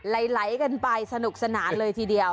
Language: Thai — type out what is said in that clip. ไหลกันไปสนุกสนานเลยทีเดียว